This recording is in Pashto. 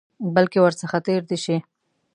بلکې ورڅخه تېر دي شي.